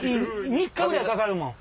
３日ぐらいかかるもん。